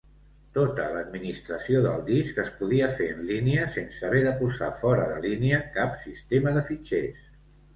Tota l'administració del disc es podia fer en línia sense haver de posar fora de línia cap sistema de fitxers.